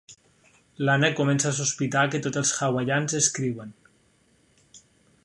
L'Anna comença a sospitar que tots els hawaians escriuen.